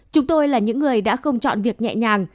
chúng tôi là những người đã không chọn việc nhẹ nhàng